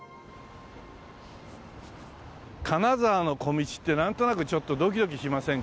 金沢の小道ってなんとなくちょっとドキドキしませんか？